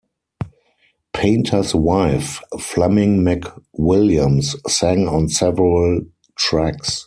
Painter's wife, Fleming McWilliams, sang on several tracks.